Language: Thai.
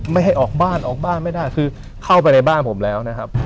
ไม่ให้ออกบ้านออกบ้านไม่ได้คือเข้าไปในบ้านผมแล้วนะครับ